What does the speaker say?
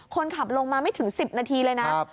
คนขับลงมาไม่ถึง๑๐นาทีเลยนะ